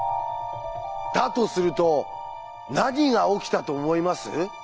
だとすると何が起きたと思います？